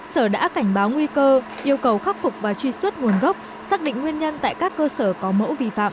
sở đã cảnh báo nguy cơ yêu cầu khắc phục và truy xuất nguồn gốc xác định nguyên nhân tại các cơ sở có mẫu vi phạm